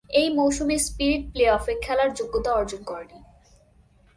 এই মৌসুমে স্পিরিট প্লেঅফে খেলার যোগ্যতা অর্জন করেনি।